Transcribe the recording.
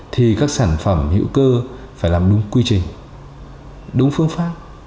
thì các sản phẩm hữu cơ phải làm đúng quy trình đúng phương pháp